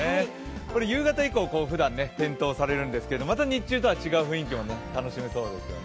夕方以降、ふだん点灯されるんですが、日中とは違った雰囲気を楽しめそうですね。